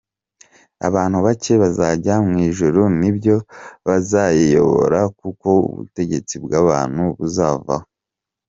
Abantu bake bazajya mu ijuru, nibo bazayiyobora kuko ubutegetsi bw’abantu buzavaho.